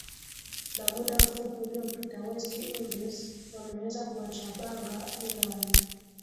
na muda mfupi uliopita west indies wameweza kuwachabanga ireland